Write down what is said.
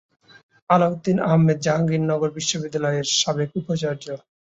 আলাউদ্দিন আহম্মদ জাহাঙ্গীরনগর বিশ্ববিদ্যালয়ের সাবেক উপাচার্য।